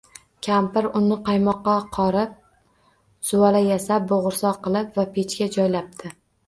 Kampir unni qaymoqqa qoribdi, zuvala yasab bo’g’irsoq qilibdi va pechga joylabdi